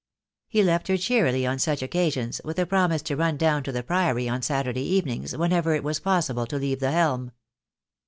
He left her cheerily on such occasions, with a promise to run down to the Priory on Saturday evenings whenever it was possible to leave the helm.